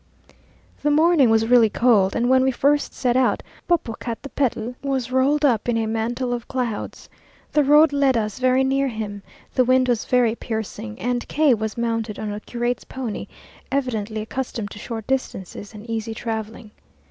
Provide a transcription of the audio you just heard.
The morning was really cold, and when we first set out, Pococatepetl was rolled up in a mantle of clouds. The road led us very near him. The wind was very piercing:, and K was mounted on a curate's pony, evidently accustomed to short distances and easy travelling.